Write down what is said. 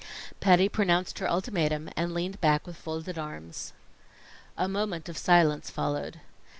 Patty pronounced her ultimatum, and leaned back with folded arms. A moment of silence followed.